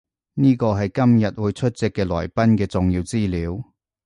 呢個係今日會出席嘅來賓嘅重要資料